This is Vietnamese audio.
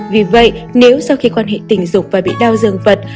vì vậy nếu sau khi quan hệ tình dục và bị đau dương phật